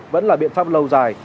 vẫn là biện pháp lâu dài